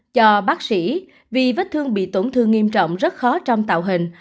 cho bác sĩ vì vết thương bị tổn thương nghiêm trọng rất khó trong tạo hình